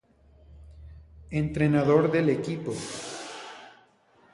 Entrenador del equipo.